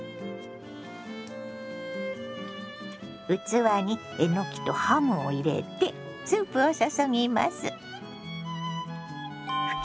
器にえのきとハムを入れてスープを注ぎます。